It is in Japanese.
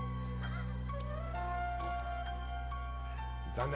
残念。